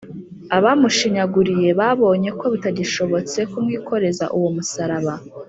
abamushinyaguriraga babonye ko bitagishobotse kumwikoreza uwo musaraba